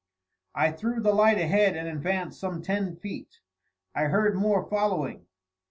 I threw the light ahead and advanced some ten feet. I heard Moore following.